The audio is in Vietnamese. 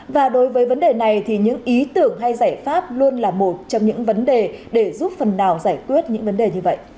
và đối với vấn đề này thì những ý tưởng hay giải pháp luôn là một trong những vấn đề để giúp phần nào giải quyết những vấn đề như vậy